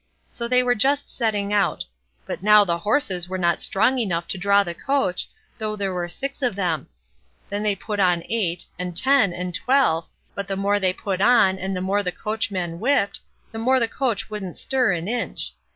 So they were just setting out; but now the horses were not strong enough to draw the coach, though there were six of them; then they put on eight, and ten, and twelve, but the more they put on, and the more the coachman whipped, the more the coach wouldn't stir an inch.